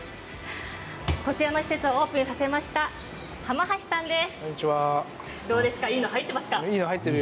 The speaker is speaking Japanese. こちらの施設をオープンさせました浜橋さんです。